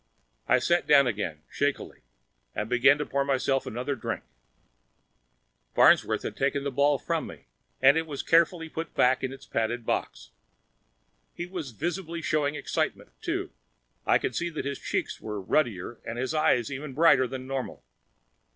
I sat down again, shakily, and began pouring myself another drink. Farnsworth had taken the ball from me and was carefully putting it back in its padded box. He was visibly showing excitement, too; I could see that his cheeks were ruddier and his eyes even brighter than normal.